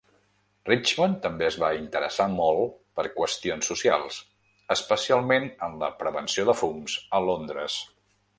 Richmond també es va interessar molt per qüestions socials, especialment en la prevenció de fums a Londres.